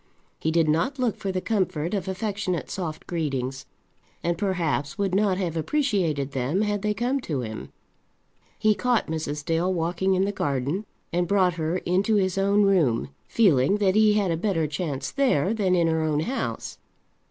He did not look for the comfort of affectionate soft greetings, and perhaps would not have appreciated them had they come to him. He caught Mrs. Dale walking in the garden, and brought her into his own room, feeling that he had a better chance there than in her own house.